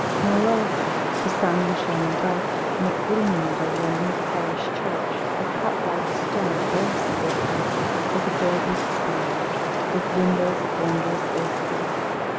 Moreover, the sun was shining brightly, and it gleamed over a new parish church, of cut white stone, very stately, with a gilded spire, with windows of wondrous lacework.